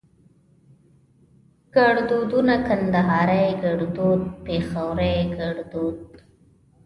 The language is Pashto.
ګړدودونه کندهاري ګړدود پېښوري ګړدود